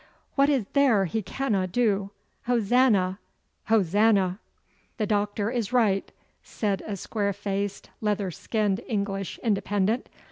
What is there He canna do? Hosannah! Hosannah!' 'The Doctor is right,' said a square faced, leather skinned English Independent.